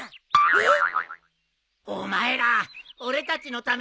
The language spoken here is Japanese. えっ。